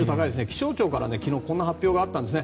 気象庁から昨日こんな発表があったんです。